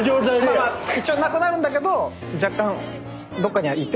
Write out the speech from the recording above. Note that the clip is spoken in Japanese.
一応なくなるんだけど若干どっかにはいて。